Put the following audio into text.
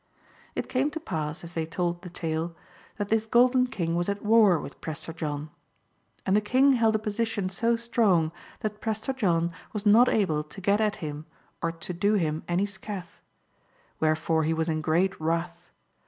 It came to pass, as they told the tale, that this Golden King was at war with Prester John. And the King held a position so strong that Prester John was not able to get at him or to do him any scathe ; wherefore he was in great wrath.